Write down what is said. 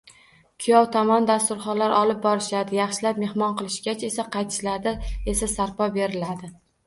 Kuyov tomon dasturxonlar olib borishadi, yaxshilab mehmon qilingach esa, qaytishlarida esa sаrpо beriladi.